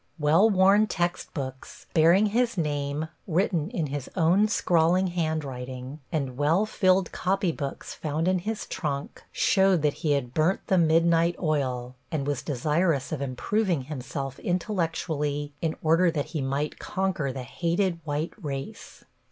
Well worn textbooks, bearing his name written in his own scrawling handwriting, and well filled copybooks found in his trunk showed that he had burnt the midnight oil, and was desirous of improving himself intellectually in order that he might conquer the hated white race.